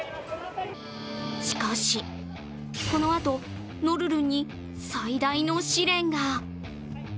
しかし、このあと、のるるんに最大の試練が。